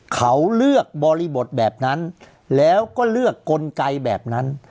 เขาเลือกบริบทแบบนั้นแล้วก็เลือกกลไกแบบนั้น